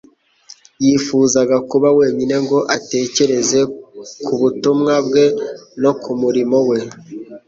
Yifuzaga kuba wenyine ngo atekereze ku butumwa bwe no ku murimo we